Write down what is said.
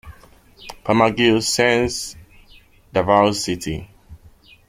Palma Gil Saints, Davao City.